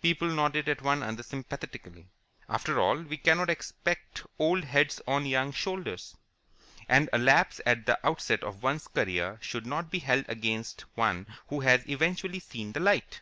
People nodded at one another sympathetically. After all, we cannot expect old heads on young shoulders, and a lapse at the outset of one's career should not be held against one who has eventually seen the light.